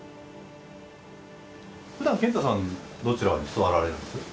ふだん賢太さんどちらに座られるんです？